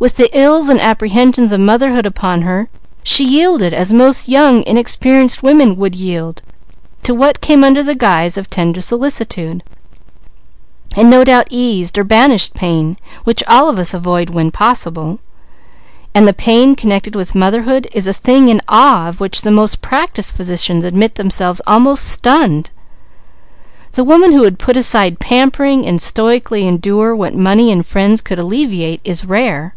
"With the ills and apprehensions of motherhood upon her, she yielded as most young, inexperienced women would yield to what came under the guise of tender solicitude, and no doubt eased or banished pain, which all of us avoid when possible; and the pain connected with motherhood is a thing in awe of which the most practised physicians admit themselves almost stunned. The woman who would put aside pampering and stoically endure what money and friends could alleviate is rare.